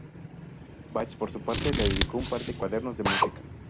Bach, por su parte, le dedicó un par de cuadernos de música.